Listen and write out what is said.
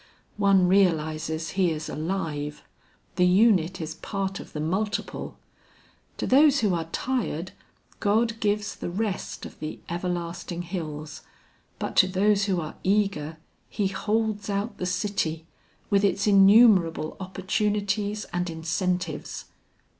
One realizes he is alive; the unit is part of the multiple. To those who are tired, God gives the rest of the everlasting hills, but to those who are eager, he holds out the city with its innumerable opportunities and incentives.